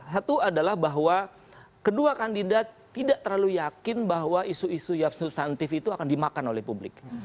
satu adalah bahwa kedua kandidat tidak terlalu yakin bahwa isu isu yang substantif itu akan dimakan oleh publik